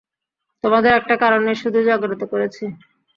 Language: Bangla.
তোমাদের একটা কারণেই শুধু জাগ্রত করেছি!